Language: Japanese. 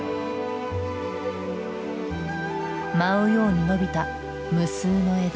舞うように伸びた無数の枝。